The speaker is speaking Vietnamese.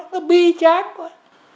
nó bi tráng quá